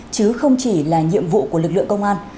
chứ không chỉ là nhiệm vụ của lực lượng công an